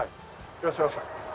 いらっしゃいました。